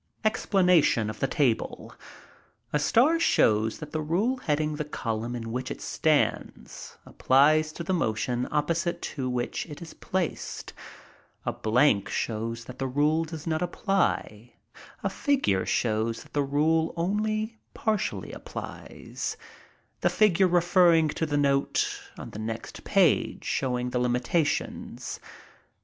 ] Explanation of the Table. A Star shows that the rule heading the column in which it stands, applies to the motion opposite to which it is placed: a blank shows that the rule does not apply: a figure shows that the rule only partially applies, the figure referring to the note on the next page showing the limitations.